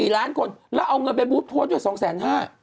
๔ล้านคนแล้วเอาเงินไปบู๊บพพลสด๒แสน๕